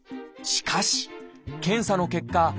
しかし検査の結果